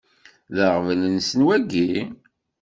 D aɣbel-nsen wagi?